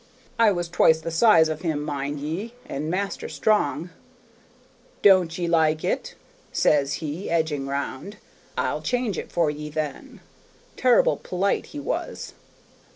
I was twice the size of him, mind ye, and master strong. 'Don't ye like it?' says he, edging round; 'I'll change it for ye, then.' Ter'ble perlite he was.